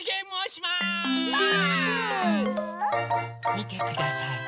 みてください。